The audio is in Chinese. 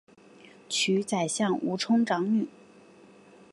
娶宰相吴充长女。